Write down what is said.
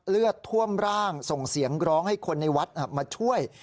เลือดท่วมร่างส่งเสียงร้องให้คนในวัดมาช่วย